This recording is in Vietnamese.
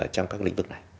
trong các lĩnh vực này